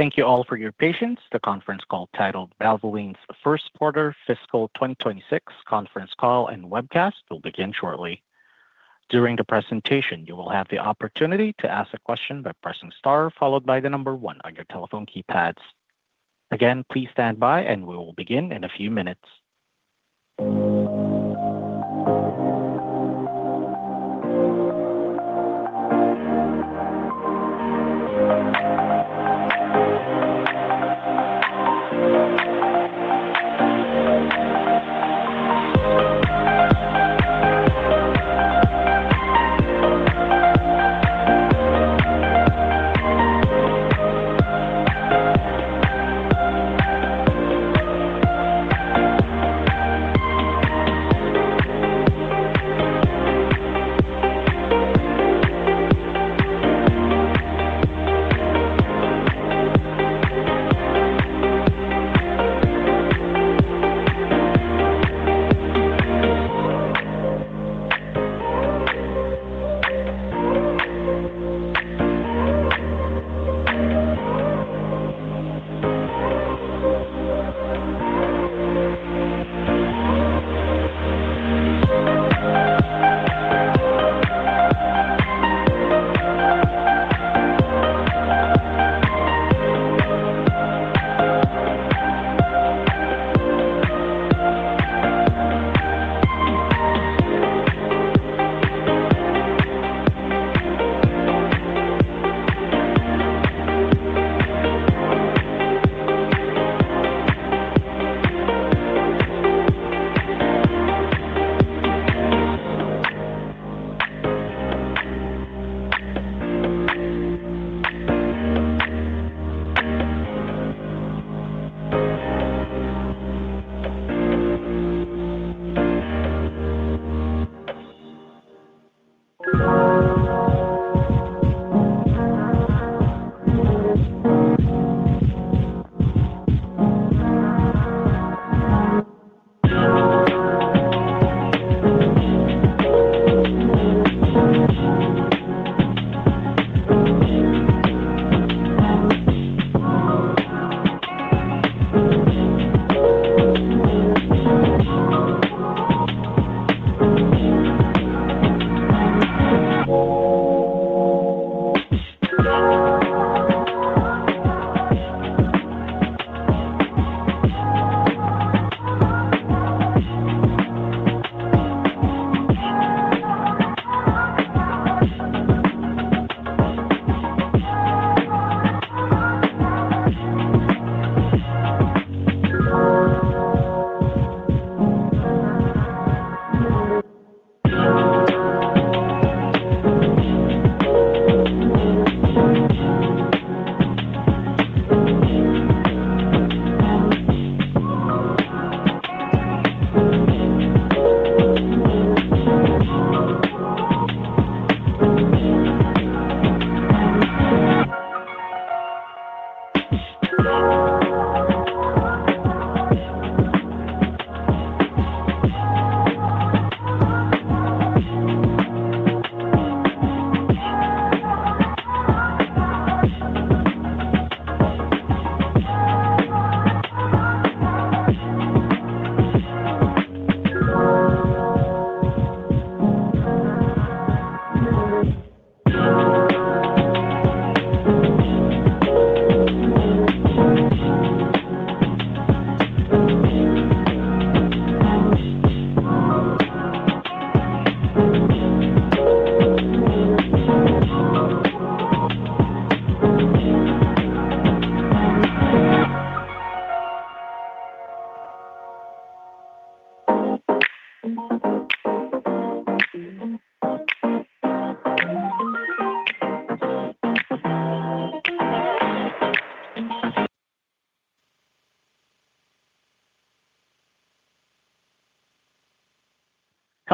Thank you all for your patience. The conference call titled, "Valvoline's First Quarter Fiscal 2026 Conference Call and Webcast" will begin shortly. During the presentation, you will have the opportunity to ask a question by pressing star followed by the number 1 on your telephone keypads. Again, please stand by and we will begin in a few minutes.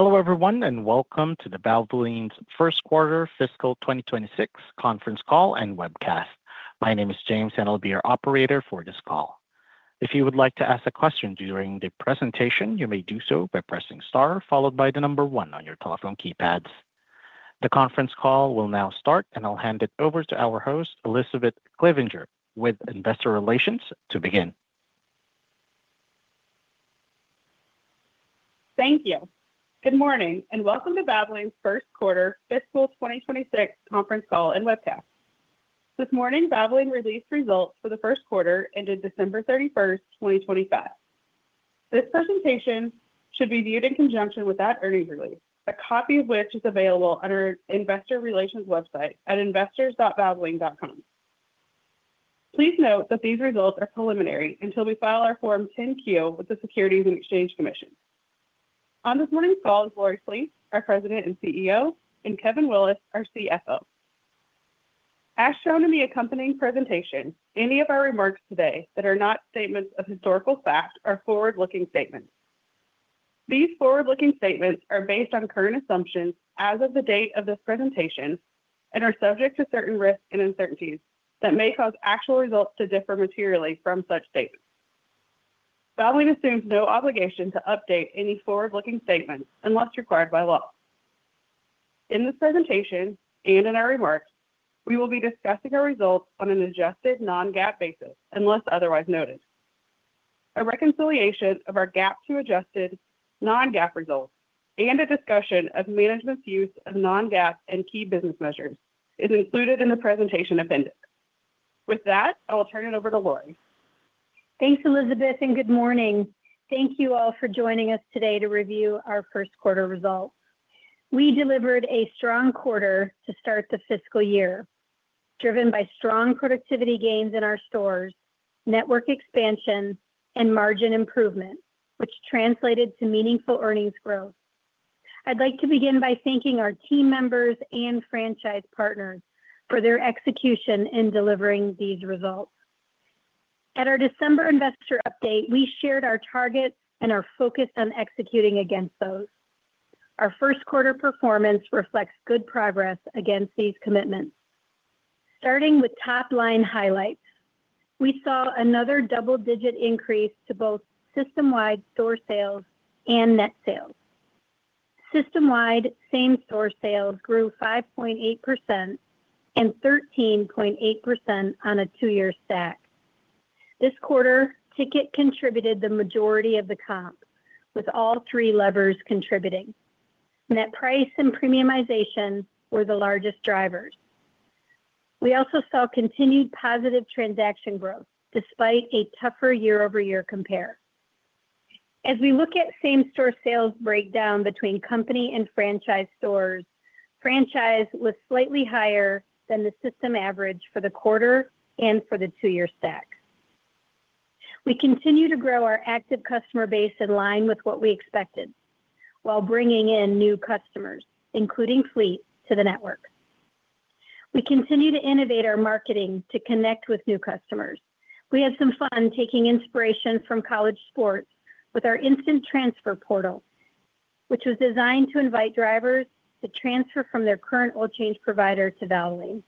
Hello everyone and welcome to the Valvoline's first quarter fiscal 2026 conference call and webcast. My name is James and I'll be your operator for this call. If you would like to ask a question during the presentation, you may do so by pressing star followed by the number one on your telephone keypads. The conference call will now start and I'll hand it over to our host Elizabeth Clevinger with Investor Relations to begin. Thank you. Good morning and welcome to Valvoline's first quarter fiscal 2026 conference call and webcast. This morning, Valvoline released results for the first quarter ended December 31st, 2025. This presentation should be viewed in conjunction with that earnings release, a copy of which is available on our Investor Relations website at investors.valvoline.com. Please note that these results are preliminary until we file our Form 10-Q with the Securities and Exchange Commission. On this morning's call is Lori Flees, our President and CEO, and Kevin Willis, our CFO. As shown in the accompanying presentation, any of our remarks today that are not statements of historical fact are forward-looking statements. These forward-looking statements are based on current assumptions as of the date of this presentation and are subject to certain risks and uncertainties that may cause actual results to differ materially from such statements. Valvoline assumes no obligation to update any forward-looking statements unless required by law. In this presentation and in our remarks, we will be discussing our results on an adjusted non-GAAP basis unless otherwise noted. A reconciliation of our GAAP-to-adjusted non-GAAP results and a discussion of management's use of non-GAAP and key business measures is included in the presentation appendix. With that, I will turn it over to Lori. Thanks, Elizabeth, and good morning. Thank you all for joining us today to review our first quarter results. We delivered a strong quarter to start the fiscal year, driven by strong productivity gains in our stores, network expansion, and margin improvement, which translated to meaningful earnings growth. I'd like to begin by thanking our team members and franchise partners for their execution in delivering these results. At our December investor update, we shared our targets and our focus on executing against those. Our first quarter performance reflects good progress against these commitments. Starting with top-line highlights, we saw another double-digit increase to both system-wide store sales and net sales. System-wide, same-store sales grew 5.8% and 13.8% on a two-year stack. This quarter, ticket contributed the majority of the comps, with all three levers contributing. Net price and premiumization were the largest drivers. We also saw continued positive transaction growth despite a tougher year-over-year compare. As we look at same-store sales breakdown between company and franchise stores, franchise was slightly higher than the system average for the quarter and for the two-year stack. We continue to grow our active customer base in line with what we expected while bringing in new customers, including fleet, to the network. We continue to innovate our marketing to connect with new customers. We had some fun taking inspiration from college sports with our Instant Transfer Portal, which was designed to invite drivers to transfer from their current oil change provider to Valvoline.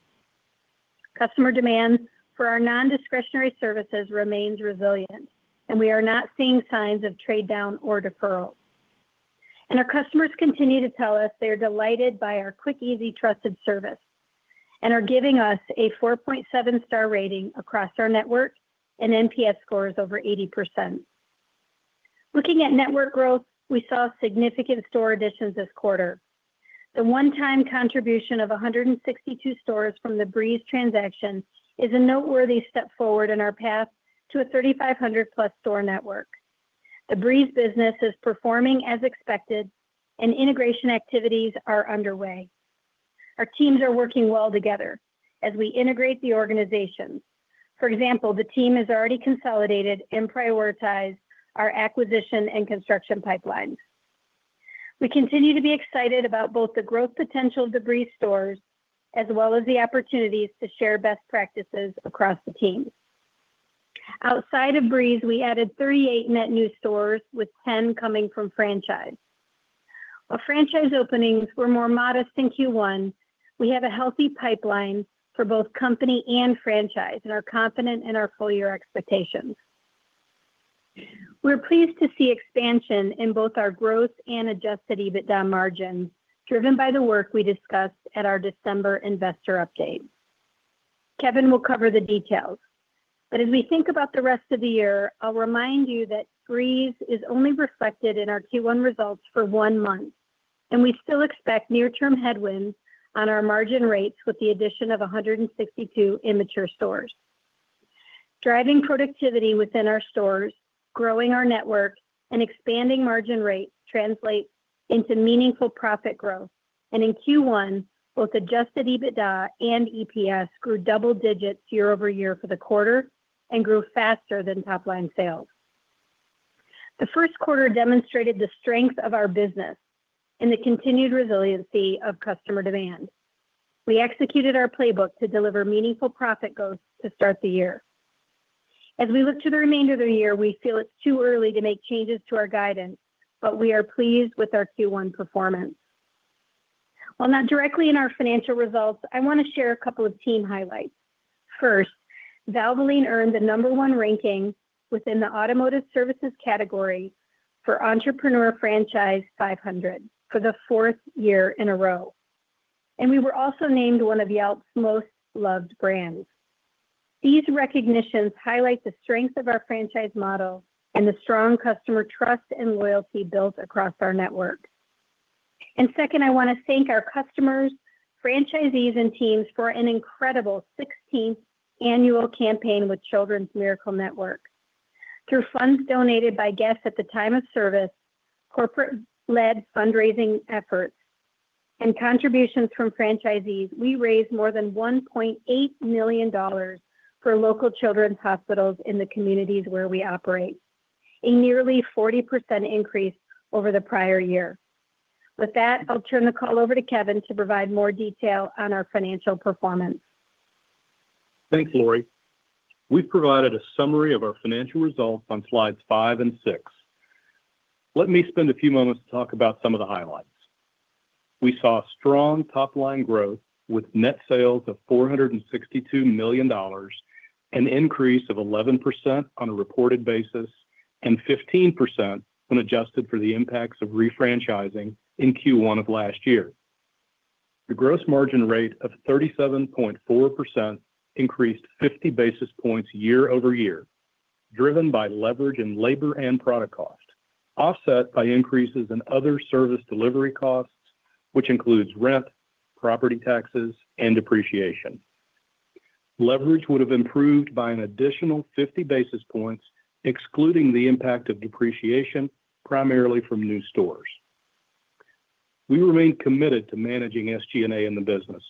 Customer demand for our nondiscretionary services remains resilient, and we are not seeing signs of trade-down or deferral. Our customers continue to tell us they are delighted by our quick, easy, trusted service and are giving us a 4.7-star rating across our network and NPS scores over 80%. Looking at network growth, we saw significant store additions this quarter. The one-time contribution of 162 stores from the Breeze transaction is a noteworthy step forward in our path to a 3,500+ store network. The Breeze business is performing as expected, and integration activities are underway. Our teams are working well together as we integrate the organizations. For example, the team has already consolidated and prioritized our acquisition and construction pipelines. We continue to be excited about both the growth potential of the Breeze stores as well as the opportunities to share best practices across the team. Outside of Breeze, we added 38 net new stores, with 10 coming from franchise. While franchise openings were more modest in Q1, we have a healthy pipeline for both company and franchise and are confident in our full-year expectations. We're pleased to see expansion in both our growth and Adjusted EBITDA margins, driven by the work we discussed at our December investor update. Kevin will cover the details. As we think about the rest of the year, I'll remind you that Breeze is only reflected in our Q1 results for one month, and we still expect near-term headwinds on our margin rates with the addition of 162 immature stores. Driving productivity within our stores, growing our network, and expanding margin rates translates into meaningful profit growth. In Q1, both Adjusted EBITDA and EPS grew double digits year-over-year for the quarter and grew faster than top-line sales. The first quarter demonstrated the strength of our business and the continued resiliency of customer demand. We executed our playbook to deliver meaningful profit growth to start the year. As we look to the remainder of the year, we feel it's too early to make changes to our guidance, but we are pleased with our Q1 performance. While not directly in our financial results, I want to share a couple of team highlights. First, Valvoline earned the number one ranking within the automotive services category for Entrepreneur Franchise 500 for the fourth year in a row. We were also named one of Yelp's most loved brands. These recognitions highlight the strength of our franchise model and the strong customer trust and loyalty built across our network. Second, I want to thank our customers, franchisees, and teams for an incredible 16th annual campaign with Children's Miracle Network. Through funds donated by guests at the time of service, corporate-led fundraising efforts, and contributions from franchisees, we raised more than $1.8 million for local children's hospitals in the communities where we operate, a nearly 40% increase over the prior year. With that, I'll turn the call over to Kevin to provide more detail on our financial performance. Thanks, Lori. We've provided a summary of our financial results on slides five and six. Let me spend a few moments to talk about some of the highlights. We saw strong top-line growth with net sales of $462 million, an increase of 11% on a reported basis, and 15% when adjusted for the impacts of refranchising in Q1 of last year. The gross margin rate of 37.4% increased 50 basis points year-over-year, driven by leverage in labor and product cost, offset by increases in other service delivery costs, which includes rent, property taxes, and depreciation. Leverage would have improved by an additional 50 basis points, excluding the impact of depreciation, primarily from new stores. We remain committed to managing SG&A in the business.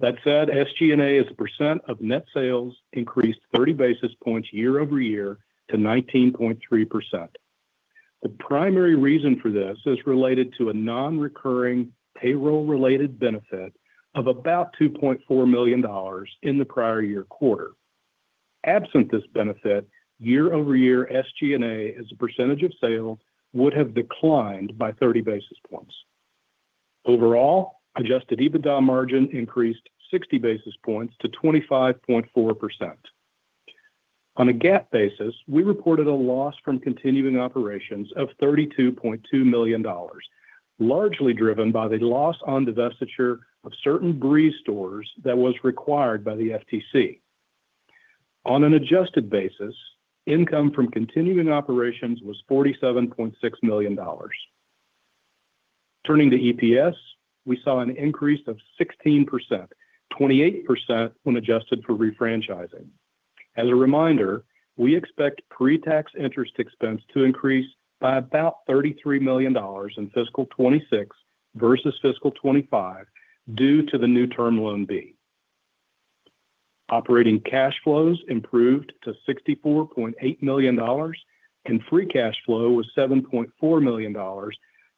That said, SG&A as a percent of net sales increased 30 basis points year-over-year to 19.3%. The primary reason for this is related to a non-recurring payroll-related benefit of about $2.4 million in the prior year quarter. Absent this benefit, year-over-year, SG&A as a percentage of sales would have declined by 30 basis points. Overall, adjusted EBITDA margin increased 60 basis points to 25.4%. On a GAAP basis, we reported a loss from continuing operations of $32.2 million, largely driven by the loss on divestiture of certain Breeze stores that was required by the FTC. On an adjusted basis, income from continuing operations was $47.6 million. Turning to EPS, we saw an increase of 16%, 28% when adjusted for refranchising. As a reminder, we expect pre-tax interest expense to increase by about $33 million in fiscal 2026 versus fiscal 2025 due to the new Term Loan B. Operating cash flows improved to $64.8 million, and free cash flow was $7.4 million,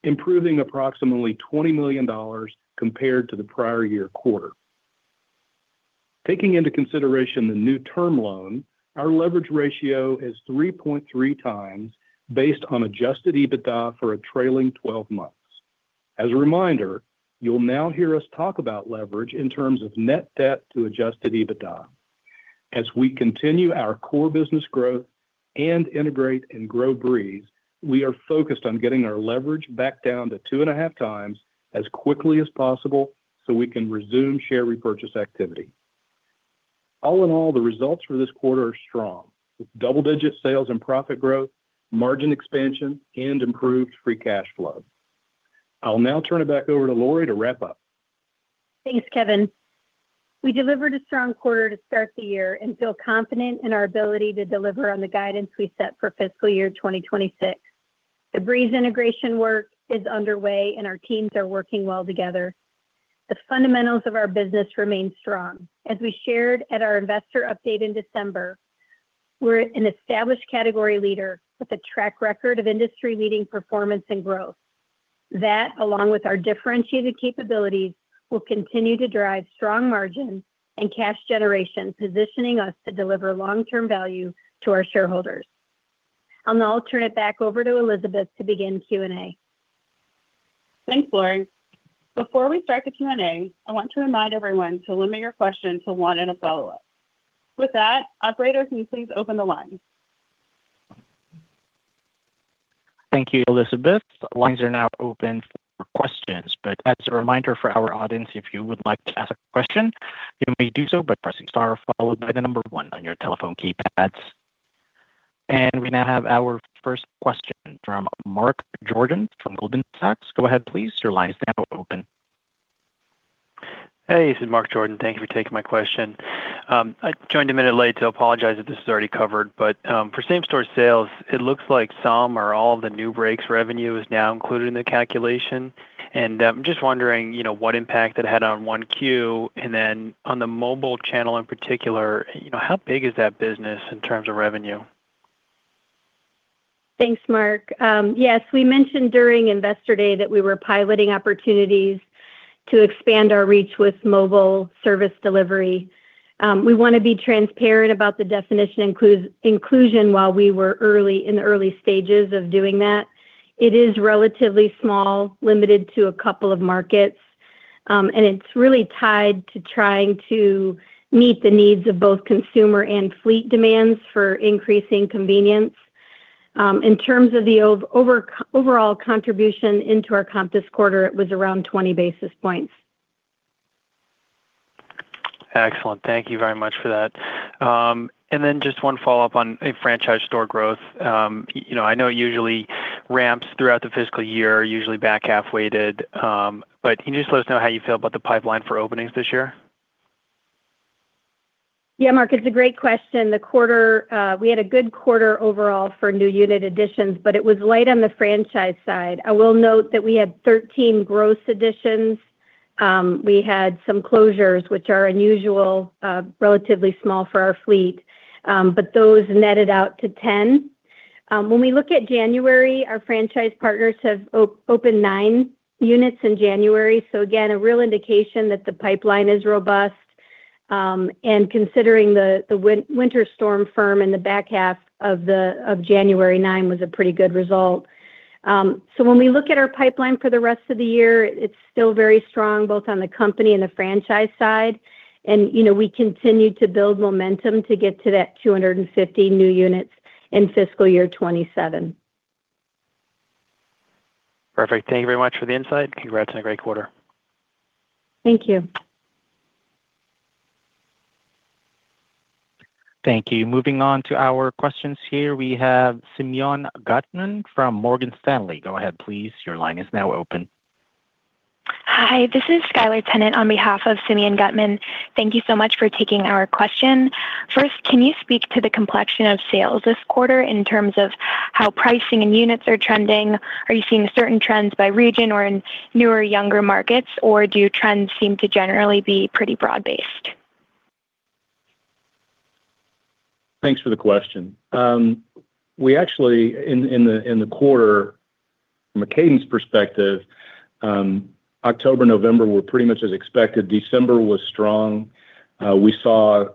improving approximately $20 million compared to the prior year quarter. Taking into consideration the new term loan, our leverage ratio is 3.3x based on Adjusted EBITDA for a trailing 12 months. As a reminder, you'll now hear us talk about leverage in terms of net debt to Adjusted EBITDA. As we continue our core business growth and integrate and grow Breeze, we are focused on getting our leverage back down to 2.5x as quickly as possible so we can resume share repurchase activity. All in all, the results for this quarter are strong, with double-digit sales and profit growth, margin expansion, and improved free cash flow. I'll now turn it back over to Lori to wrap up. Thanks, Kevin. We delivered a strong quarter to start the year and feel confident in our ability to deliver on the guidance we set for fiscal year 2026. The Breeze integration work is underway, and our teams are working well together. The fundamentals of our business remain strong. As we shared at our investor update in December, we're an established category leader with a track record of industry-leading performance and growth. That, along with our differentiated capabilities, will continue to drive strong margin and cash generation, positioning us to deliver long-term value to our shareholders. I'll now turn it back over to Elizabeth to begin Q&A. Thanks, Lori. Before we start the Q&A, I want to remind everyone to limit your questions to one and a follow-up. With that, operators, can you please open the line? Thank you, Elizabeth. Lines are now open for questions. As a reminder for our audience, if you would like to ask a question, you may do so by pressing star followed by the number one on your telephone keypads. We now have our first question from Mark Jordan from Goldman Sachs. Go ahead, please. Your line is now open. Hey, this is Mark Jordan. Thanks for taking my question. I joined a minute late, so I apologize if this is already covered. But for same-store sales, it looks like some or all of the non-oil change revenue is now included in the calculation. And I'm just wondering what impact that had on 1Q. And then on the mobile channel in particular, how big is that business in terms of revenue? Thanks, Mark. Yes, we mentioned during Investor Day that we were piloting opportunities to expand our reach with mobile service delivery. We want to be transparent about the definition of inclusion while we were in the early stages of doing that. It is relatively small, limited to a couple of markets. And it's really tied to trying to meet the needs of both consumer and fleet demands for increasing convenience. In terms of the overall contribution into our comps this quarter, it was around 20 basis points. Excellent. Thank you very much for that. And then just one follow-up on franchise store growth. I know it usually ramps throughout the fiscal year, usually back half-weighted. But can you just let us know how you feel about the pipeline for openings this year? Yeah, Mark, it's a great question. We had a good quarter overall for new unit additions, but it was light on the franchise side. I will note that we had 13 gross additions. We had some closures, which are unusual, relatively small for our fleet, but those netted out to 10. When we look at January, our franchise partners have opened nine units in January. So again, a real indication that the pipeline is robust. And considering the Winter Storm Fern in the back half of January 9 was a pretty good result. So when we look at our pipeline for the rest of the year, it's still very strong, both on the company and the franchise side. And we continue to build momentum to get to that 250 new units in fiscal year 2027. Perfect. Thank you very much for the insight. Congrats on a great quarter. Thank you. Thank you. Moving on to our questions here, we have Simeon Gutman from Morgan Stanley. Go ahead, please. Your line is now open. Hi, this is Skylar Tennant on behalf of Simeon Gutman. Thank you so much for taking our question. First, can you speak to the complexion of sales this quarter in terms of how pricing and units are trending? Are you seeing certain trends by region or in newer, younger markets, or do trends seem to generally be pretty broad-based? Thanks for the question. In the quarter, from a cadence perspective, October, November were pretty much as expected. December was strong. We saw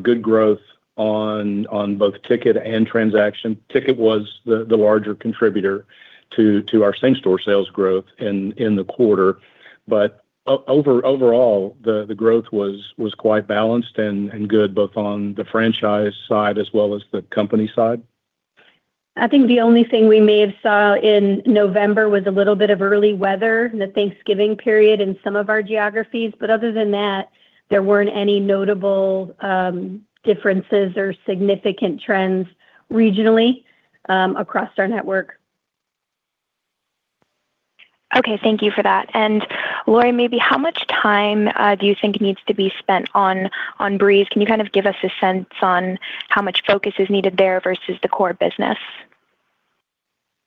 good growth on both ticket and transaction. Ticket was the larger contributor to our same-store sales growth in the quarter. But overall, the growth was quite balanced and good both on the franchise side as well as the company side. I think the only thing we may have saw in November was a little bit of early weather in the Thanksgiving period in some of our geographies. Other than that, there weren't any notable differences or significant trends regionally across our network. Okay. Thank you for that. And Lori, maybe how much time do you think needs to be spent on Breeze? Can you kind of give us a sense on how much focus is needed there versus the core business?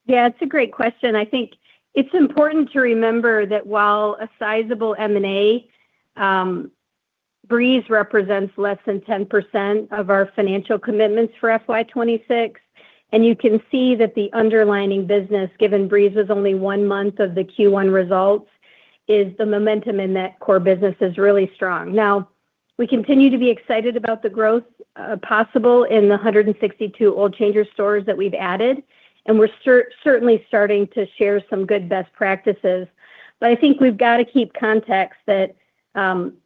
Yeah, it's a great question. I think it's important to remember that while a sizable M&A, Breeze represents less than 10% of our financial commitments for FY 2026. And you can see that the underlying business, given Breeze was only one month of the Q1 results, is the momentum in that core business is really strong. Now, we continue to be excited about the growth possible in the 162 Oil Changers stores that we've added. And we're certainly starting to share some good best practices. But I think we've got to keep context that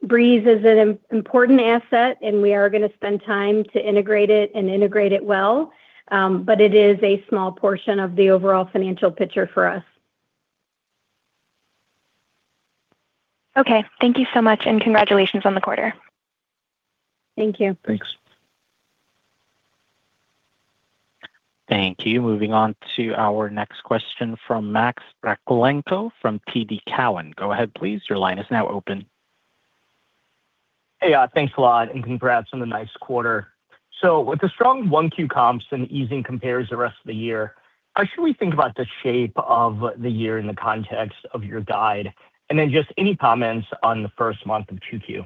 Breeze is an important asset, and we are going to spend time to integrate it and integrate it well. But it is a small portion of the overall financial picture for us. Okay. Thank you so much. And congratulations on the quarter. Thank you. Thanks. Thank you. Moving on to our next question from Max Rakhlenko from TD Cowen. Go ahead, please. Your line is now open. Hey, thanks a lot. Congrats on the nice quarter. So with a strong 1Q comps and easing compares the rest of the year, how should we think about the shape of the year in the context of your guide? And then just any comments on the first month of 2Q?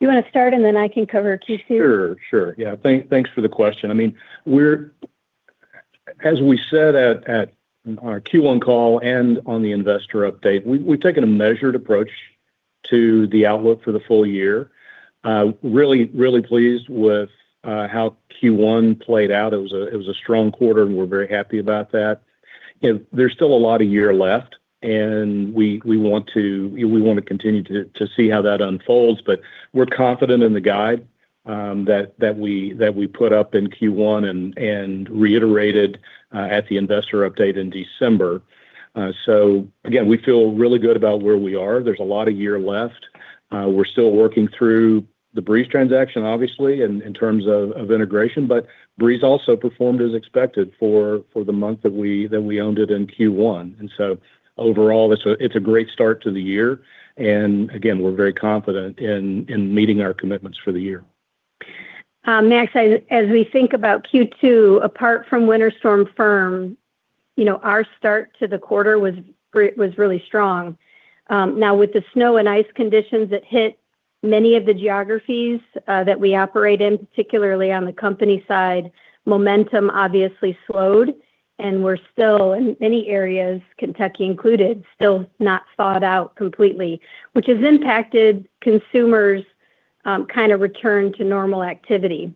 You want to start, and then I can cover Q2? Sure. Sure. Yeah. Thanks for the question. I mean, as we said on our Q1 call and on the investor update, we've taken a measured approach to the outlook for the full year. Really, really pleased with how Q1 played out. It was a strong quarter, and we're very happy about that. There's still a lot of year left, and we want to continue to see how that unfolds. But we're confident in the guide that we put up in Q1 and reiterated at the investor update in December. So again, we feel really good about where we are. There's a lot of year left. We're still working through the Breeze transaction, obviously, in terms of integration. But Breeze also performed as expected for the month that we owned it in Q1. And so overall, it's a great start to the year. And again, we're very confident in meeting our commitments for the year. Max, as we think about Q2, apart from Winter Storm Fern, our start to the quarter was really strong. Now, with the snow and ice conditions that hit many of the geographies that we operate in, particularly on the company side, momentum obviously slowed. We're still, in many areas, Kentucky included, still not thawed out completely, which has impacted consumers' kind of return to normal activity.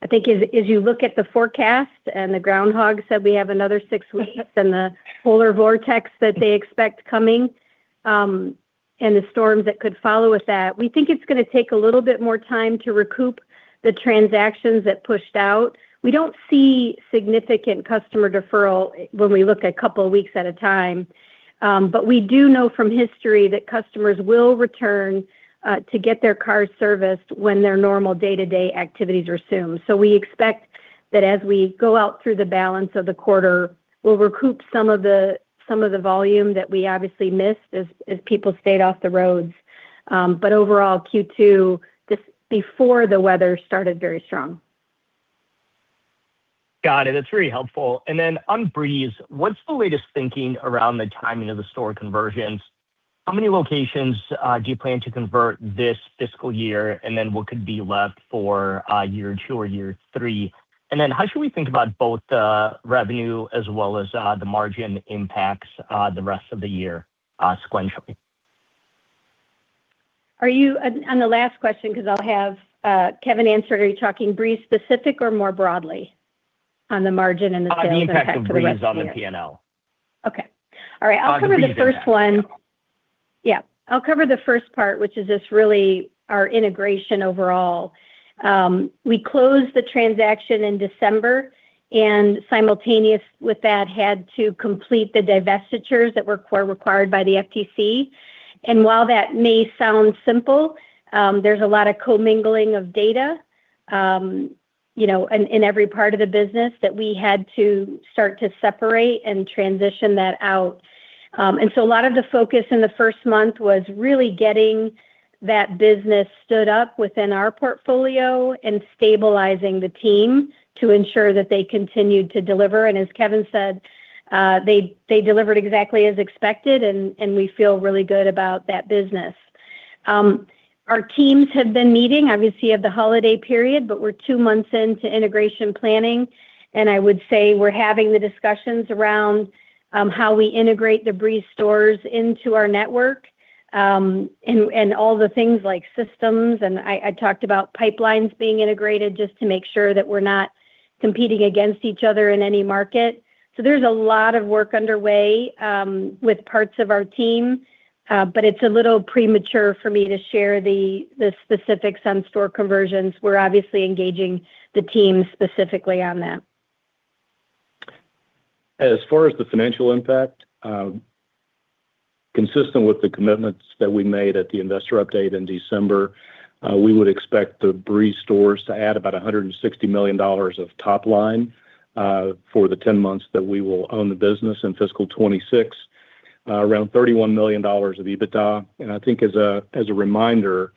I think as you look at the forecast, and the Groundhog said we have another six weeks, and the polar vortex that they expect coming, and the storms that could follow with that, we think it's going to take a little bit more time to recoup the transactions that pushed out. We don't see significant customer deferral when we look a couple of weeks at a time. But we do know from history that customers will return to get their cars serviced when their normal day-to-day activities resume. So we expect that as we go out through the balance of the quarter, we'll recoup some of the volume that we obviously missed as people stayed off the roads. But overall, Q2, just before the weather started very strong. Got it. That's very helpful. And then on Breeze, what's the latest thinking around the timing of the store conversions? How many locations do you plan to convert this fiscal year, and then what could be left for year two or year three? And then how should we think about both the revenue as well as the margin impacts the rest of the year sequentially? On the last question, because I'll have Kevin answer, are you talking Breeze specific or more broadly on the margin and the sales impact of Breeze? The impact of Breeze on the P&L. Okay. All right. I'll cover the first one. Yeah. I'll cover the first part, which is just really our integration overall. We closed the transaction in December, and simultaneous with that, had to complete the divestitures that were required by the FTC. And while that may sound simple, there's a lot of co-mingling of data in every part of the business that we had to start to separate and transition that out. And so a lot of the focus in the first month was really getting that business stood up within our portfolio and stabilizing the team to ensure that they continued to deliver. And as Kevin said, they delivered exactly as expected, and we feel really good about that business. Our teams have been meeting, obviously, of the holiday period, but we're two months into integration planning. I would say we're having the discussions around how we integrate the Breeze stores into our network and all the things like systems. And I talked about pipelines being integrated just to make sure that we're not competing against each other in any market. So there's a lot of work underway with parts of our team, but it's a little premature for me to share the specifics on store conversions. We're obviously engaging the team specifically on that. As far as the financial impact, consistent with the commitments that we made at the investor update in December, we would expect the Breeze stores to add about $160 million of top line for the 10 months that we will own the business in fiscal 2026, around $31 million of EBITDA. I think as a reminder,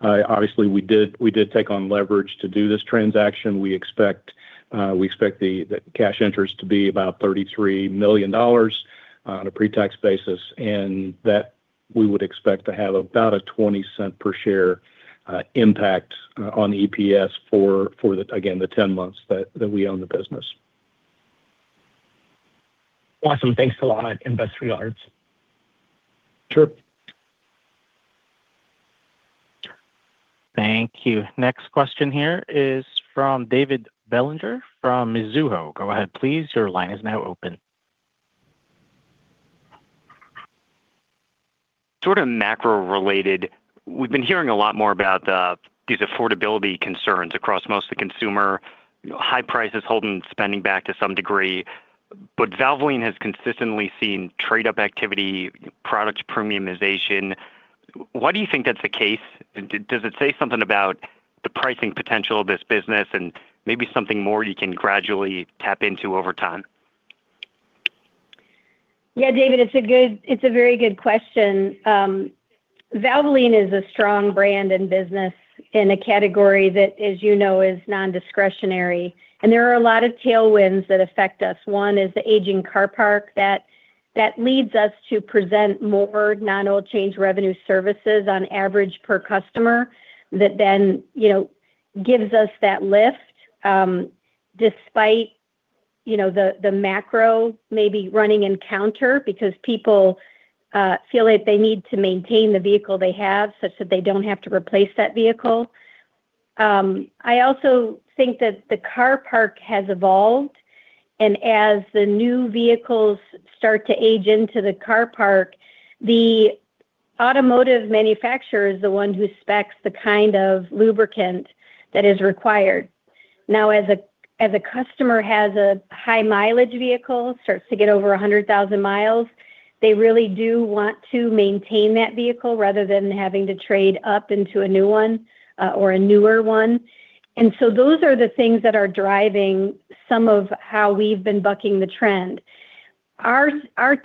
obviously, we did take on leverage to do this transaction. We expect the cash interest to be about $33 million on a pretax basis. We would expect to have about a $0.20 per share impact on EPS for, again, the 10 months that we own the business. Awesome. Thanks a lot and best regards. Sure. Thank you. Next question here is from David Bellinger from Mizuho. Go ahead, please. Your line is now open. Sort of macro-related, we've been hearing a lot more about these affordability concerns across most of the consumer, high prices holding spending back to some degree. But Valvoline has consistently seen trade-up activity, product premiumization. Why do you think that's the case? Does it say something about the pricing potential of this business and maybe something more you can gradually tap into over time? Yeah, David, it's a very good question. Valvoline is a strong brand and business in a category that, as you know, is nondiscretionary. There are a lot of tailwinds that affect us. One is the aging car parc that leads us to present more non-oil change revenue services on average per customer that then gives us that lift despite the macro maybe running counter because people feel that they need to maintain the vehicle they have such that they don't have to replace that vehicle. I also think that the car parc has evolved. As the new vehicles start to age into the car parc, the automotive manufacturer is the one who specs the kind of lubricant that is required. Now, as a customer has a high-mileage vehicle, starts to get over 100,000 miles, they really do want to maintain that vehicle rather than having to trade up into a new one or a newer one. And so those are the things that are driving some of how we've been bucking the trend. Our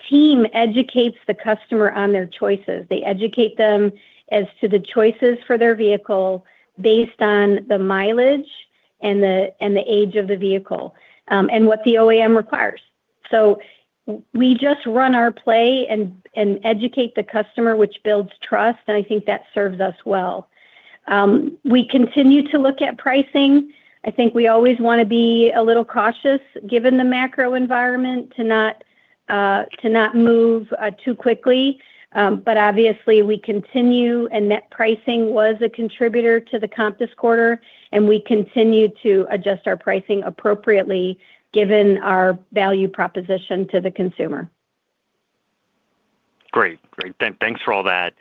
team educates the customer on their choices. They educate them as to the choices for their vehicle based on the mileage and the age of the vehicle and what the OEM requires. So we just run our play and educate the customer, which builds trust. And I think that serves us well. We continue to look at pricing. I think we always want to be a little cautious given the macro environment to not move too quickly. But obviously, we continue, and that pricing was a contributor to the comps this quarter. We continue to adjust our pricing appropriately given our value proposition to the consumer. Great. Great. Thanks for all that.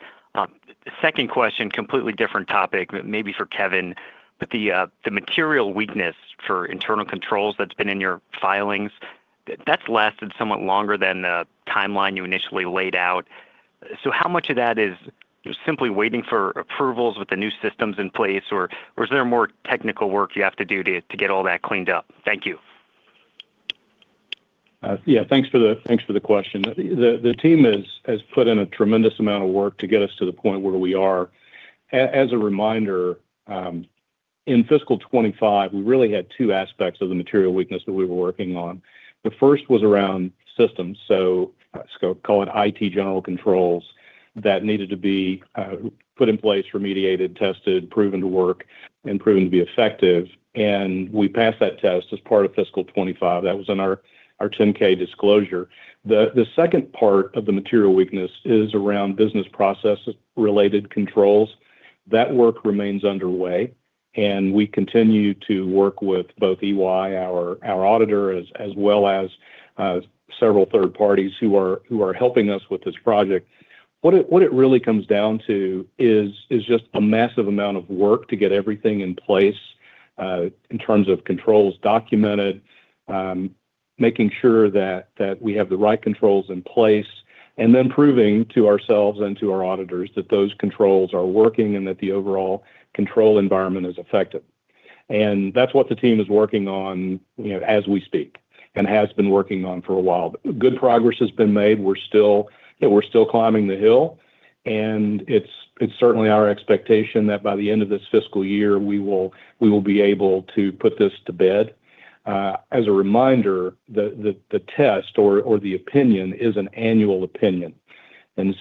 Second question, completely different topic, maybe for Kevin, but the material weakness for internal controls that's been in your filings, that's lasted somewhat longer than the timeline you initially laid out. So how much of that is simply waiting for approvals with the new systems in place, or is there more technical work you have to do to get all that cleaned up? Thank you. Yeah. Thanks for the question. The team has put in a tremendous amount of work to get us to the point where we are. As a reminder, in fiscal 2025, we really had two aspects of the material weakness that we were working on. The first was around systems, so call it IT general controls that needed to be put in place, remediated, tested, proven to work, and proven to be effective. And we passed that test as part of fiscal 2025. That was in our 10-K disclosure. The second part of the material weakness is around business process-related controls. That work remains underway. And we continue to work with both EY, our auditor, as well as several third parties who are helping us with this project. What it really comes down to is just a massive amount of work to get everything in place in terms of controls documented, making sure that we have the right controls in place, and then proving to ourselves and to our auditors that those controls are working and that the overall control environment is effective. That's what the team is working on as we speak and has been working on for a while. Good progress has been made. We're still climbing the hill. It's certainly our expectation that by the end of this fiscal year, we will be able to put this to bed. As a reminder, the test or the opinion is an annual opinion. We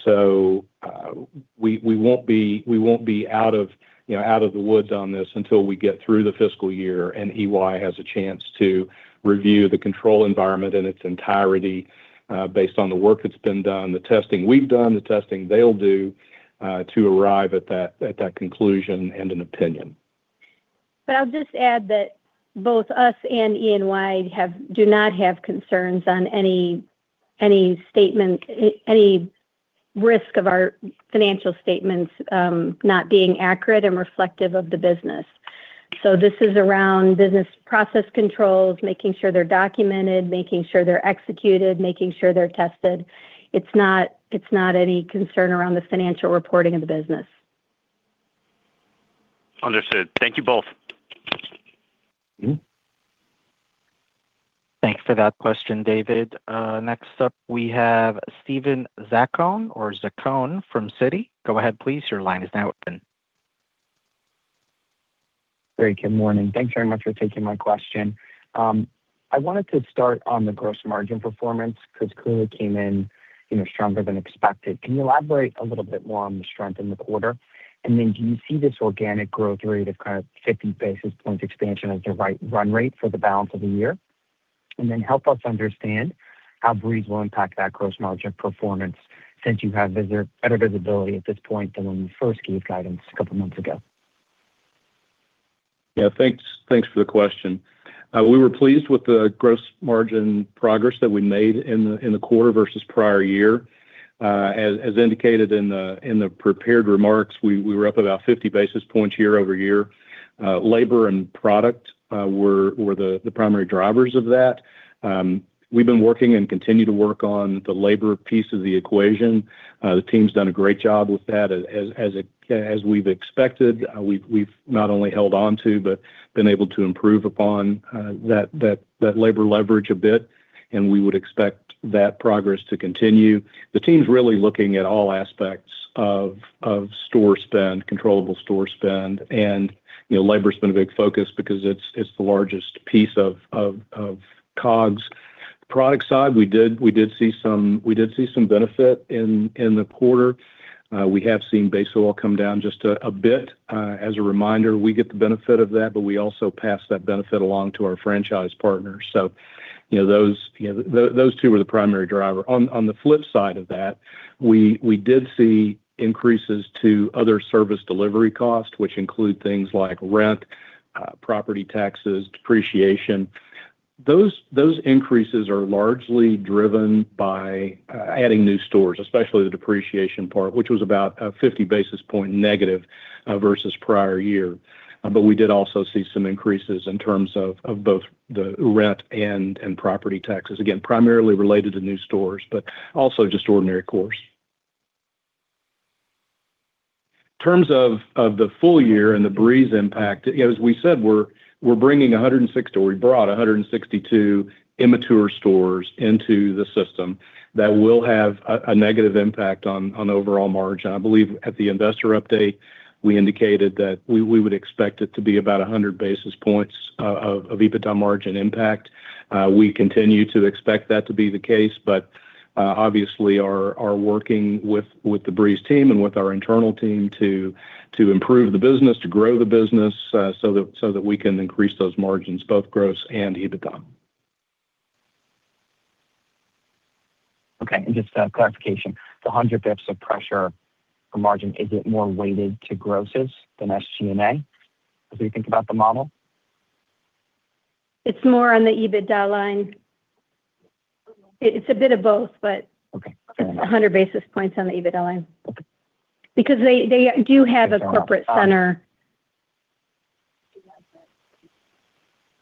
won't be out of the woods on this until we get through the fiscal year and EY has a chance to review the control environment in its entirety based on the work that's been done, the testing we've done, the testing they'll do to arrive at that conclusion and an opinion. But I'll just add that both us and E&Y do not have concerns on any risk of our financial statements not being accurate and reflective of the business. So this is around business process controls, making sure they're documented, making sure they're executed, making sure they're tested. It's not any concern around the financial reporting of the business. Understood. Thank you both. Thanks for that question, David. Next up, we have Steven Zaccone or Zaccone from Citi. Go ahead, please. Your line is now open. Great. Good morning. Thanks very much for taking my question. I wanted to start on the gross margin performance because it clearly came in stronger than expected. Can you elaborate a little bit more on the strength in the quarter? And then do you see this organic growth rate of kind of 50 basis points expansion as the right run rate for the balance of the year? And then help us understand how Breeze will impact that gross margin performance since you have better visibility at this point than when you first gave guidance a couple of months ago. Yeah. Thanks for the question. We were pleased with the gross margin progress that we made in the quarter versus prior year. As indicated in the prepared remarks, we were up about 50 basis points year-over-year. Labor and product were the primary drivers of that. We've been working and continue to work on the labor piece of the equation. The team's done a great job with that as we've expected. We've not only held on to but been able to improve upon that labor leverage a bit. And we would expect that progress to continue. The team's really looking at all aspects of store spend, controllable store spend. And labor's been a big focus because it's the largest piece of COGS. Product side, we did see some benefit in the quarter. We have seen base oil come down just a bit. As a reminder, we get the benefit of that, but we also pass that benefit along to our franchise partners. So those two were the primary driver. On the flip side of that, we did see increases to other service delivery costs, which include things like rent, property taxes, depreciation. Those increases are largely driven by adding new stores, especially the depreciation part, which was about a 50 basis points negative versus prior year. But we did also see some increases in terms of both the rent and property taxes, again, primarily related to new stores, but also just ordinary course. In terms of the full year and the Breeze impact, as we said, we're bringing 160 or we brought 162 immature stores into the system that will have a negative impact on overall margin. I believe at the investor update, we indicated that we would expect it to be about 100 basis points of EBITDA margin impact. We continue to expect that to be the case. But obviously, we're working with the Breeze team and with our internal team to improve the business, to grow the business so that we can increase those margins, both gross and EBITDA. Okay. And just a clarification, the 100 bps of pressure for margin, is it more weighted to grosses than SG&A as we think about the model? It's more on the EBITDA line. It's a bit of both, but 100 basis points on the EBITDA line because they do have a corporate center.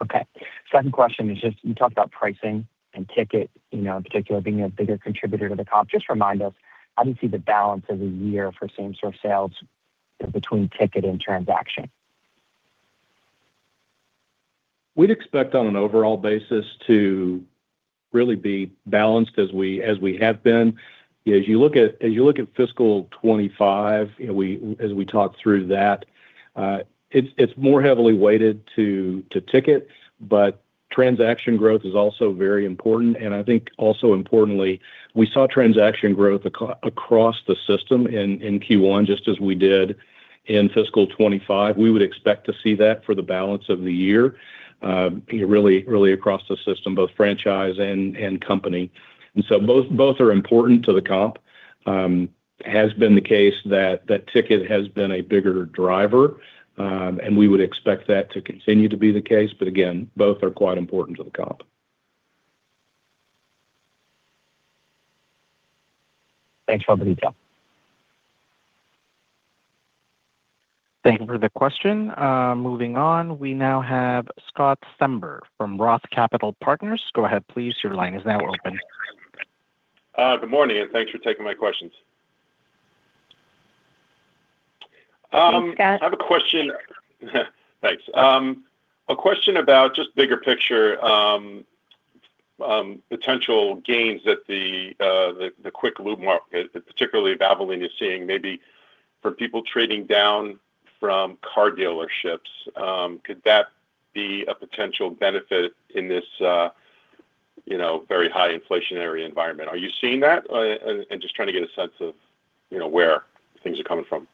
Okay. Second question is just you talked about pricing and ticket in particular being a bigger contributor to the comp. Just remind us, how do you see the balance of the year for same-store sales between ticket and transaction? We'd expect on an overall basis to really be balanced as we have been. As you look at fiscal 2025, as we talked through that, it's more heavily weighted to ticket, but transaction growth is also very important. And I think also importantly, we saw transaction growth across the system in Q1 just as we did in fiscal 2025. We would expect to see that for the balance of the year, really across the system, both franchise and company. And so both are important to the comp. It has been the case that ticket has been a bigger driver. And we would expect that to continue to be the case. But again, both are quite important to the comp. Thanks, Valvoline. Thank you for the question. Moving on, we now have Scott Stember from ROTH Capital Partners. Go ahead, please. Your line is now open. Good morning. Thanks for taking my questions. Hey, Scott. I have a question. Thanks. A question about just bigger picture, potential gains that the quick lube market, particularly Valvoline, is seeing maybe for people trading down from car dealerships. Could that be a potential benefit in this very high inflationary environment? Are you seeing that? And just trying to get a sense of where things are coming from.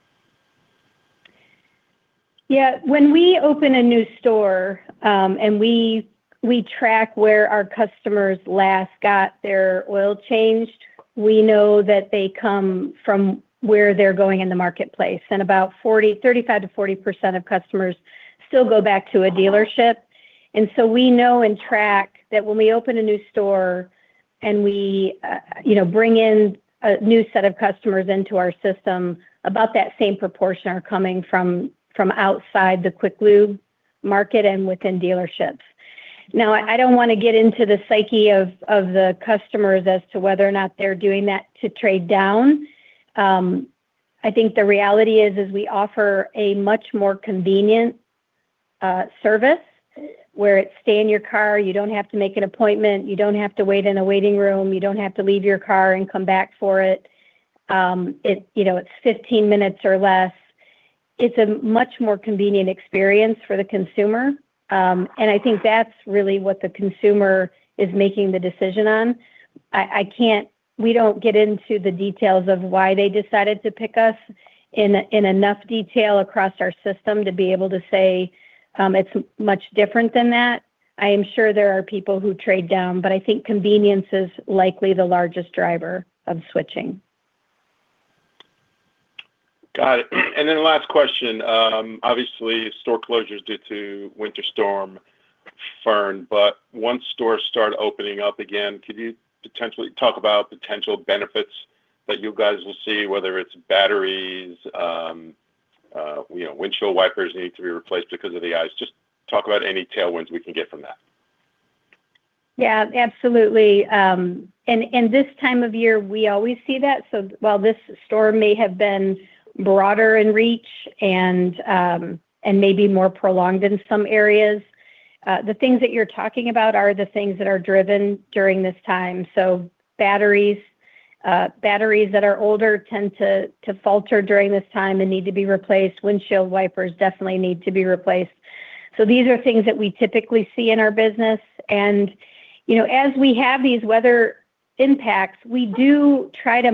Yeah. When we open a new store and we track where our customers last got their oil changed, we know that they come from where they're going in the marketplace. And about 35%-40% of customers still go back to a dealership. And so we know and track that when we open a new store and we bring in a new set of customers into our system, about that same proportion are coming from outside the quick lube market and within dealerships. Now, I don't want to get into the psyche of the customers as to whether or not they're doing that to trade down. I think the reality is we offer a much more convenient service where it's stay in your car. You don't have to make an appointment. You don't have to wait in a waiting room. You don't have to leave your car and come back for it. It's 15 minutes or less. It's a much more convenient experience for the consumer. I think that's really what the consumer is making the decision on. We don't get into the details of why they decided to pick us in enough detail across our system to be able to say it's much different than that. I am sure there are people who trade down, but I think convenience is likely the largest driver of switching. Got it. And then last question. Obviously, store closures due to Winter Storm Fern. But once stores start opening up again, could you potentially talk about potential benefits that you guys will see, whether it's batteries, windshield wipers need to be replaced because of the ice? Just talk about any tailwinds we can get from that. Yeah, absolutely. This time of year, we always see that. While this store may have been broader in reach and maybe more prolonged in some areas, the things that you're talking about are the things that are driven during this time. Batteries that are older tend to falter during this time and need to be replaced. Windshield wipers definitely need to be replaced. These are things that we typically see in our business. As we have these weather impacts, we do try to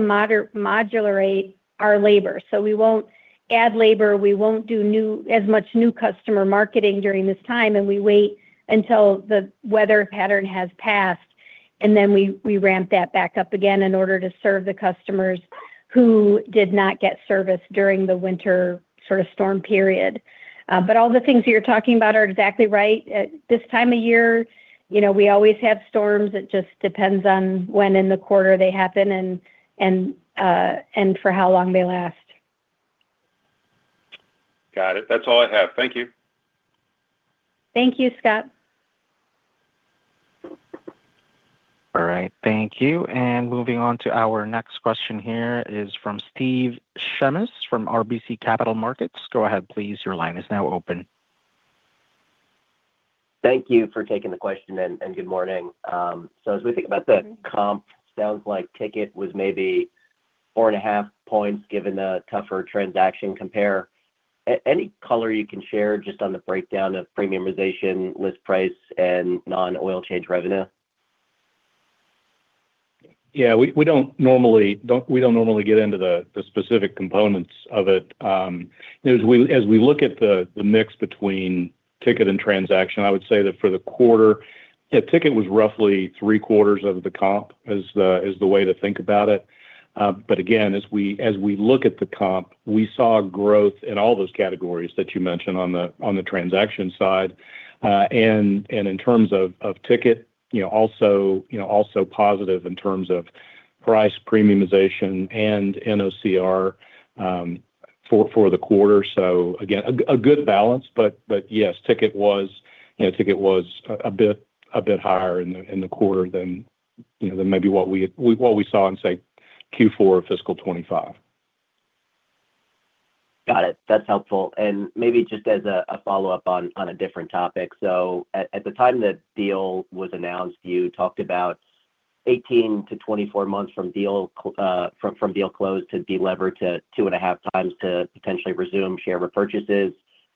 modulate our labor. We won't add labor. We won't do as much new customer marketing during this time. We wait until the weather pattern has passed. Then we ramp that back up again in order to serve the customers who did not get service during the winter sort of storm period. But all the things that you're talking about are exactly right. At this time of year, we always have storms. It just depends on when in the quarter they happen and for how long they last. Got it. That's all I have. Thank you. Thank you, Scott. All right. Thank you. And moving on to our next question here is from Steve Shemesh from RBC Capital Markets. Go ahead, please. Your line is now open. Thank you for taking the question. And good morning. So as we think about the comp, it sounds like ticket was maybe 4.5 points given the tougher transaction compare. Any color you can share just on the breakdown of premiumization, list price, and non-oil change revenue? Yeah. We don't normally get into the specific components of it. As we look at the mix between ticket and transaction, I would say that for the quarter, ticket was roughly three-quarters of the comp, is the way to think about it. But again, as we look at the comp, we saw growth in all those categories that you mentioned on the transaction side. And in terms of ticket, also positive in terms of price premiumization and NOCR for the quarter. So again, a good balance. But yes, ticket was a bit higher in the quarter than maybe what we saw in, say, Q4 of fiscal 2025. Got it. That's helpful. And maybe just as a follow-up on a different topic. So at the time the deal was announced, you talked about 18-24 months from deal close to delever to 2.5x to potentially resume share repurchases.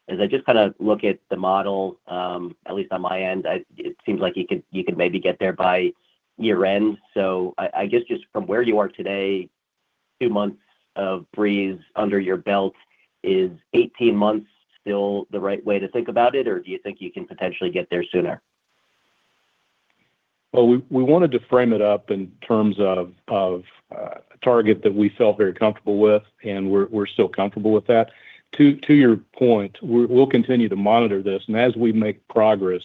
As I just kind of look at the model, at least on my end, it seems like you could maybe get there by year-end. So I guess just from where you are today, two months of Breeze under your belt, is 18 months still the right way to think about it, or do you think you can potentially get there sooner? Well, we wanted to frame it up in terms of a target that we felt very comfortable with, and we're still comfortable with that. To your point, we'll continue to monitor this. And as we make progress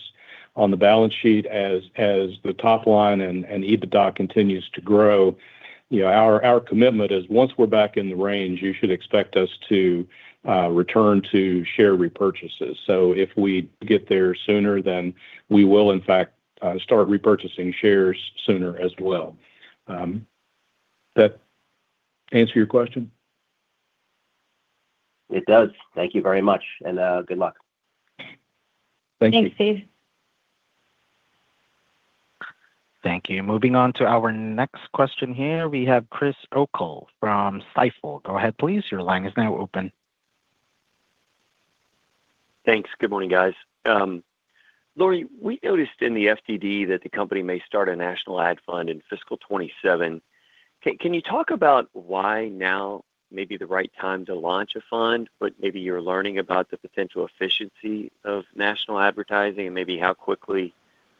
on the balance sheet, as the top line and EBITDA continues to grow, our commitment is once we're back in the range, you should expect us to return to share repurchases. So if we get there sooner, then we will, in fact, start repurchasing shares sooner as well. Does that answer your question? It does. Thank you very much. Good luck. Thank you. Thanks, Steve. Thank you. Moving on to our next question here, we have Chris O'Cull from Stifel. Go ahead, please. Your line is now open. Thanks. Good morning, guys. Lori, we noticed in the FDD that the company may start a national ad fund in fiscal 2027. Can you talk about why now may be the right time to launch a fund, but maybe you're learning about the potential efficiency of national advertising and maybe how quickly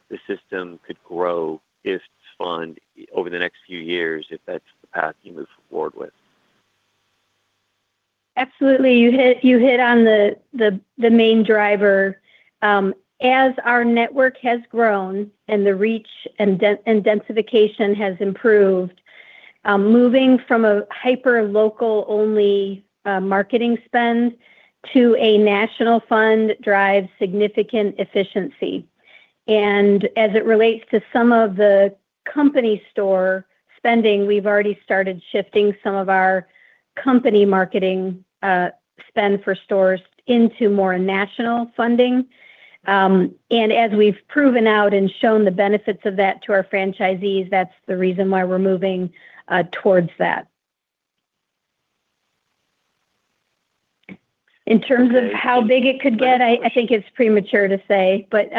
the system could grow if fund over the next few years, if that's the path you move forward with? Absolutely. You hit on the main driver. As our network has grown and the reach and densification has improved, moving from a hyper-local-only marketing spend to a national fund drives significant efficiency. And as it relates to some of the company store spending, we've already started shifting some of our company marketing spend for stores into more national funding. And as we've proven out and shown the benefits of that to our franchisees, that's the reason why we're moving towards that. In terms of how big it could get, I think it's premature to say. But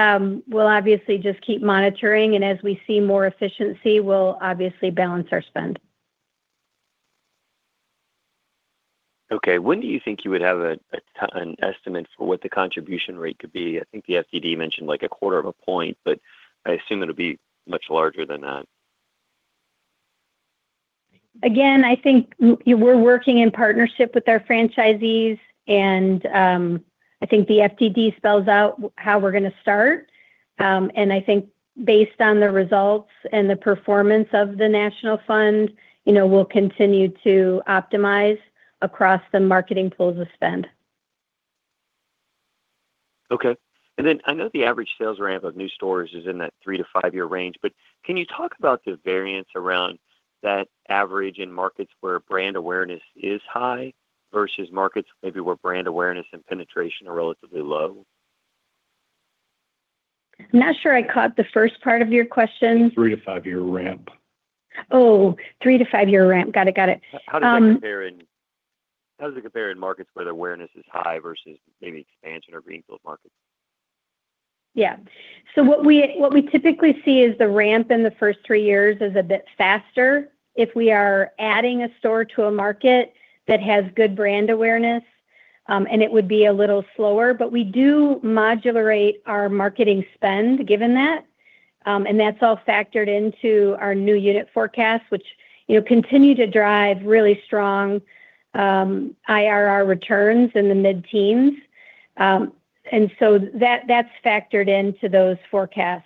we'll obviously just keep monitoring. And as we see more efficiency, we'll obviously balance our spend. Okay. When do you think you would have an estimate for what the contribution rate could be? I think the FDD mentioned a quarter of a point, but I assume it'll be much larger than that. Again, I think we're working in partnership with our franchisees. I think the FDD spells out how we're going to start. I think based on the results and the performance of the national fund, we'll continue to optimize across the marketing pools of spend. Okay. And then I know the average sales ramp of new stores is in that three-to-five year range. But can you talk about the variance around that average in markets where brand awareness is high versus markets maybe where brand awareness and penetration are relatively low? I'm not sure I caught the first part of your question. Three-to-five-year ramp. Oh, three-to-five-year ramp. Got it. Got it. How does it compare in markets where the awareness is high versus maybe expansion or greenfield markets? Yeah. So what we typically see is the ramp in the first three years is a bit faster. If we are adding a store to a market that has good brand awareness, and it would be a little slower. But we do modulate our marketing spend given that. And that's all factored into our new unit forecasts, which continue to drive really strong IRR returns in the mid-teens. And so that's factored into those forecasts.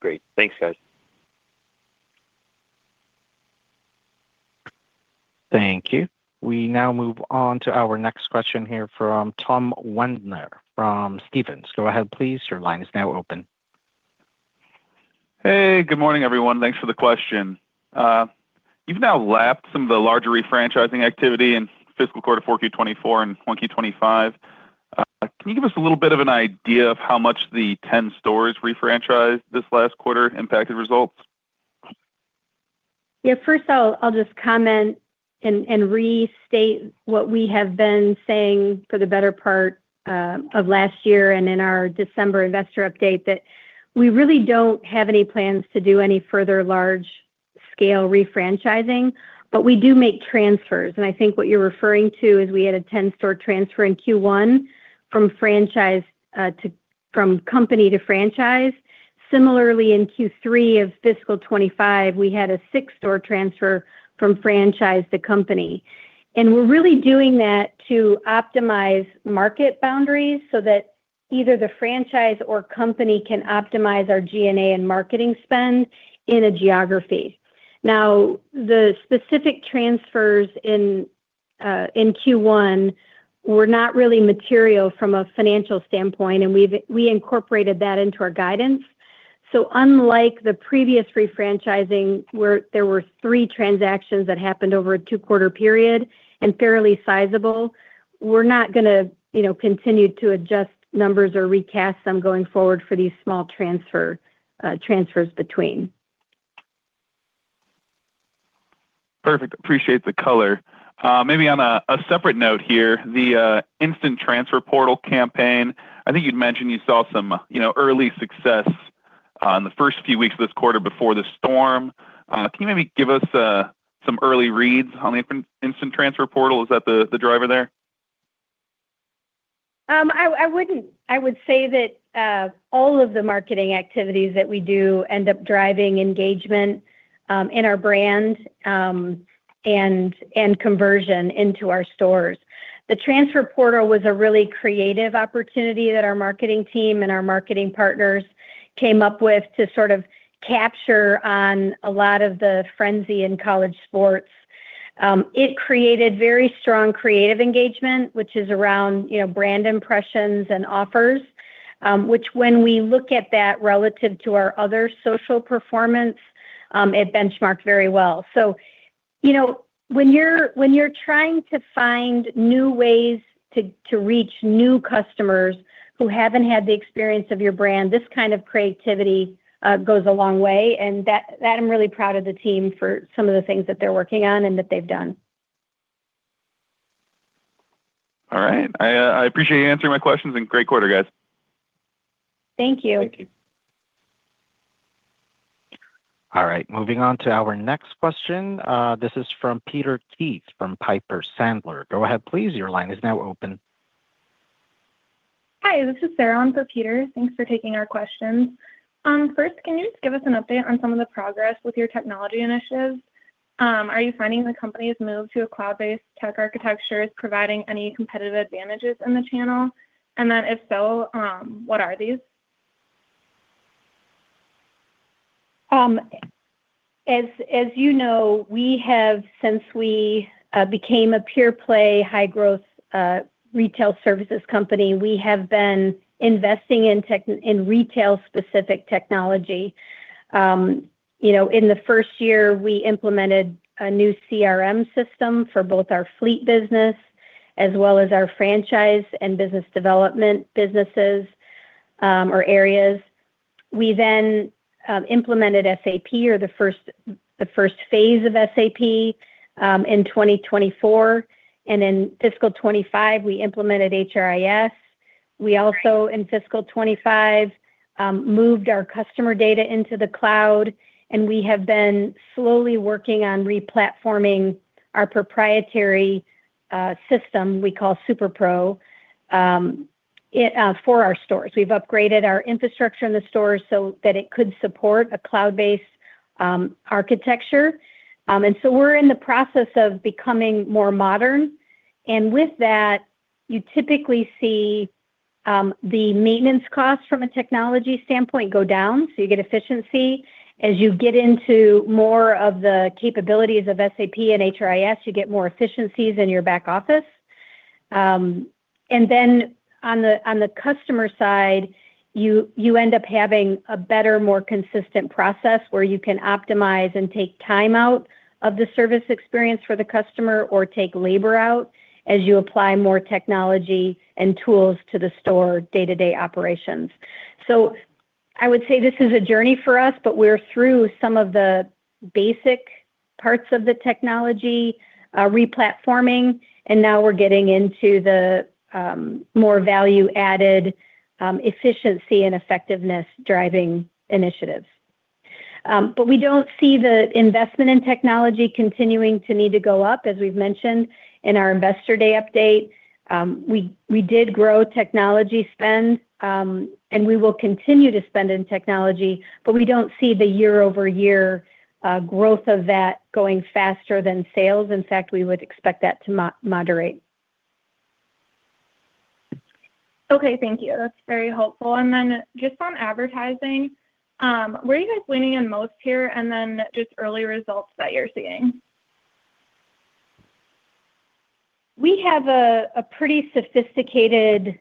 Great. Thanks, guys. Thank you. We now move on to our next question here from Tom Wendler from Stephens. Go ahead, please. Your line is now open. Hey. Good morning, everyone. Thanks for the question. You've now lapped some of the larger refranchising activity in fiscal quarter 4Q 2024 and 2025. Can you give us a little bit of an idea of how much the 10 stores refranchised this last quarter impacted results? Yeah. First, I'll just comment and restate what we have been saying for the better part of last year and in our December investor update that we really don't have any plans to do any further large-scale refranchising. But we do make transfers. And I think what you're referring to is we had a 10-store transfer in Q1 from company to franchise. Similarly, in Q3 of fiscal 2025, we had a six-store transfer from franchise to company. And we're really doing that to optimize market boundaries so that either the franchise or company can optimize our G&A and marketing spend in a geography. Now, the specific transfers in Q1 were not really material from a financial standpoint. And we incorporated that into our guidance. So unlike the previous refranchising, where there were three transactions that happened over a two-quarter period and fairly sizable, we're not going to continue to adjust numbers or recast them going forward for these small transfers between. Perfect. Appreciate the color. Maybe on a separate note here, the Instant Transfer Portal campaign, I think you'd mentioned you saw some early success in the first few weeks of this quarter before the storm. Can you maybe give us some early reads on the Instant Transfer Portal? Is that the driver there? I would say that all of the marketing activities that we do end up driving engagement in our brand and conversion into our stores. The Transfer Portal was a really creative opportunity that our marketing team and our marketing partners came up with to sort of capture on a lot of the frenzy in college sports. It created very strong creative engagement, which is around brand impressions and offers, which when we look at that relative to our other social performance, it benchmarked very well. So when you're trying to find new ways to reach new customers who haven't had the experience of your brand, this kind of creativity goes a long way. And I'm really proud of the team for some of the things that they're working on and that they've done. All right. I appreciate you answering my questions. Great quarter, guys. Thank you. Thank you. All right. Moving on to our next question. This is from Peter Keith from Piper Sandler. Go ahead, please. Your line is now open. Hi. This is Sarah on for Peter. Thanks for taking our questions. First, can you just give us an update on some of the progress with your technology initiatives? Are you finding the company's move to a cloud-based tech architecture is providing any competitive advantages in the channel? And then if so, what are these? As you know, since we became a pure-play high-growth retail services company, we have been investing in retail-specific technology. In the first year, we implemented a new CRM system for both our fleet business as well as our franchise and business development businesses or areas. We then implemented SAP or the first phase of SAP in 2024. In fiscal 2025, we implemented HRIS. We also, in fiscal 2025, moved our customer data into the cloud. We have been slowly working on replatforming our proprietary system we call SuperPro for our stores. We've upgraded our infrastructure in the stores so that it could support a cloud-based architecture. So we're in the process of becoming more modern. With that, you typically see the maintenance costs from a technology standpoint go down. You get efficiency. As you get into more of the capabilities of SAP and HRIS, you get more efficiencies in your back office. And then on the customer side, you end up having a better, more consistent process where you can optimize and take time out of the service experience for the customer or take labor out as you apply more technology and tools to the store day-to-day operations. So I would say this is a journey for us, but we're through some of the basic parts of the technology, replatforming. And now we're getting into the more value-added efficiency and effectiveness-driving initiatives. But we don't see the investment in technology continuing to need to go up, as we've mentioned in our investor day update. We did grow technology spend, and we will continue to spend in technology. But we don't see the year-over-year growth of that going faster than sales. In fact, we would expect that to moderate. Okay. Thank you. That's very helpful. And then just on advertising, where are you guys leaning in most here? And then just early results that you're seeing? We have a pretty sophisticated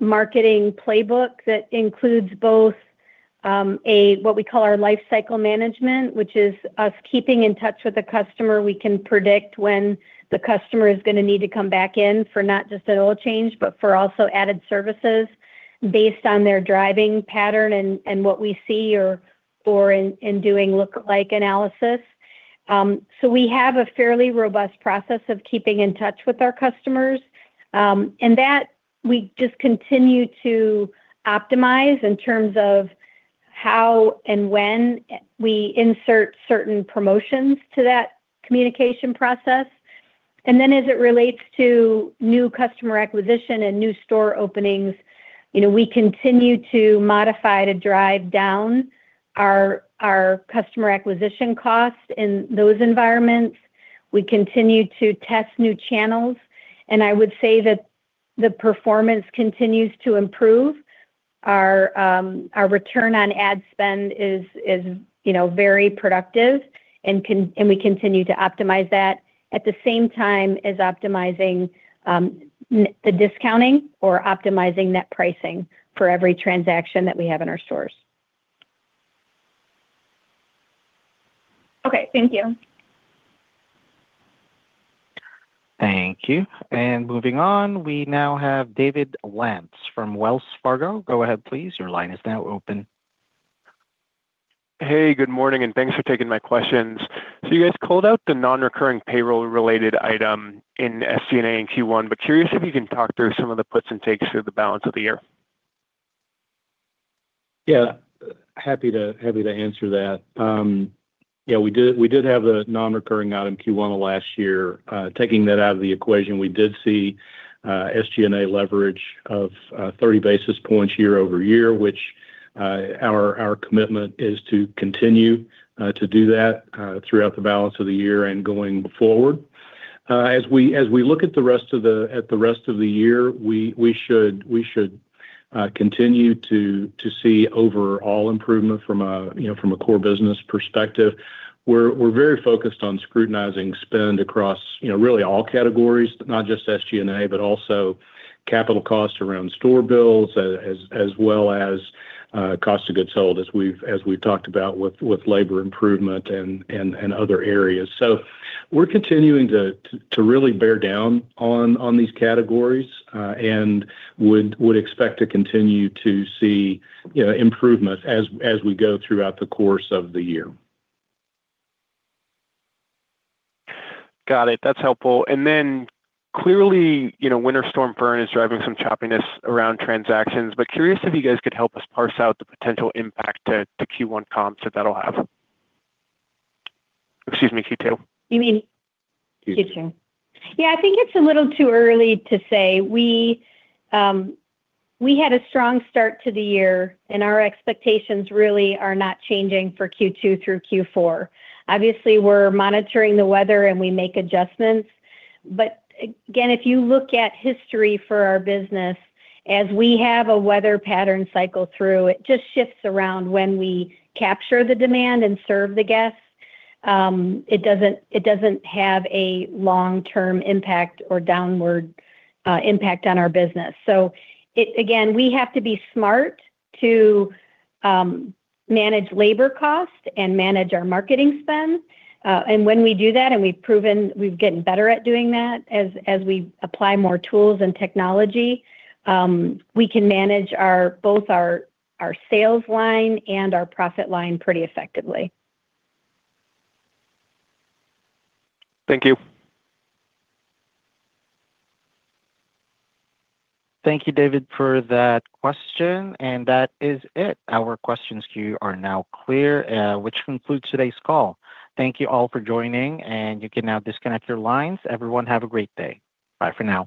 marketing playbook that includes both what we call our lifecycle management, which is us keeping in touch with the customer. We can predict when the customer is going to need to come back in for not just an oil change, but also for added services based on their driving pattern and what we see in doing look-alike analysis. So we have a fairly robust process of keeping in touch with our customers. And that we just continue to optimize in terms of how and when we insert certain promotions to that communication process. And then as it relates to new customer acquisition and new store openings, we continue to modify to drive down our customer acquisition costs in those environments. We continue to test new channels. And I would say that the performance continues to improve. Our return on ad spend is very productive. We continue to optimize that at the same time as optimizing the discounting or optimizing net pricing for every transaction that we have in our stores. Okay. Thank you. Thank you. And moving on, we now have David Lantz from Wells Fargo. Go ahead, please. Your line is now open. Hey. Good morning. Thanks for taking my questions. You guys called out the non-recurring payroll-related item in SG&A in Q1, but curious if you can talk through some of the puts and takes through the balance of the year? Yeah. Happy to answer that. Yeah. We did have the non-recurring item Q1 of last year. Taking that out of the equation, we did see SG&A leverage of 30 basis points year-over-year, which our commitment is to continue to do that throughout the balance of the year and going forward. As we look at the rest of the year, we should continue to see overall improvement from a core business perspective. We're very focused on scrutinizing spend across really all categories, not just SG&A, but also capital costs around store builds as well as cost of goods sold, as we've talked about with labor improvement and other areas. So we're continuing to really bear down on these categories and would expect to continue to see improvement as we go throughout the course of the year. Got it. That's helpful. And then clearly, Winter Storm Fern is driving some choppiness around transactions. But curious if you guys could help us parse out the potential impact to Q1 comps that that'll have? Excuse me, Q2. You mean Q2? Q2. Yeah. I think it's a little too early to say. We had a strong start to the year, and our expectations really are not changing for Q2 through Q4. Obviously, we're monitoring the weather, and we make adjustments. But again, if you look at history for our business, as we have a weather pattern cycle through, it just shifts around when we capture the demand and serve the guests. It doesn't have a long-term impact or downward impact on our business. So again, we have to be smart to manage labor costs and manage our marketing spend. And when we do that, and we're getting better at doing that as we apply more tools and technology, we can manage both our sales line and our profit line pretty effectively. Thank you. Thank you, David, for that question. And that is it. Our questions to you are now clear, which concludes today's call. Thank you all for joining, and you can now disconnect your lines. Everyone, have a great day. Bye for now.